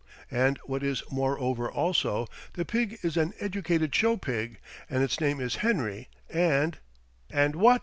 And what is moreover also, the pig is an educated show pig, and its name is Henry, and " "And what?"